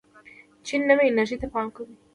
چین نوې انرژۍ ته پام کوي.